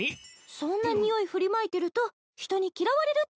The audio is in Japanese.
そんなにおい振りまいてると人に嫌われるっちゃ。